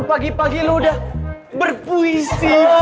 pagi pagi lu udah berpuisi